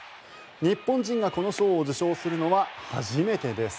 日本人がこの賞を受賞するのは初めてです。